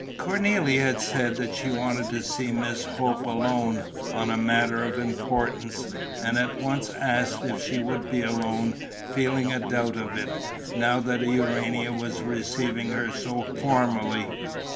Cornélie had said that she wanted to see Miss Hope alone, on a matter of importance, and at once asked if she would be alone, feeling a doubt of it, now that Urania was receiving her so formally.